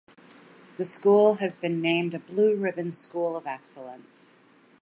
The school has been named a Blue Ribbon School of Excellence.